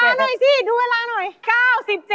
ให้ดูเวลาหน่อยสิ